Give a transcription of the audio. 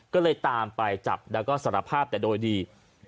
ก็เลยตามไปจับแล้วก็สารภาพแต่โดยดี